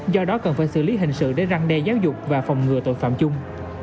do đó cần phải xử lý hình sự để răng đe giáo dục và phòng ngừa tội phạm chung